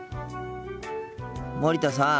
森田さん。